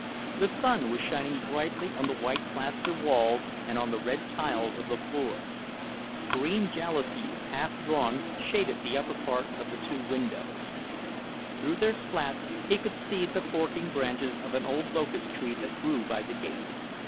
The sun was shining brightly on the white plaster walls and on the red tiles of the floor. Green jalousies, half drawn, shaded the upper part of the two windows. Through their slats, he could see the forking branches of an old locust tree that grew by the gate.